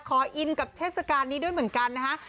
อินกับเทศกาลนี้ด้วยเหมือนกันนะฮะ